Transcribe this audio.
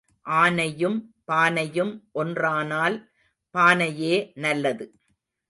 ஆனையும் பானையும் ஒன்றானால் பானையே நல்லது.